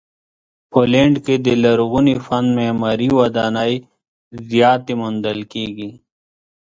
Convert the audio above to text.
پولنډ کې د لرغوني فن معماري ودانۍ زیاتې موندل کیږي.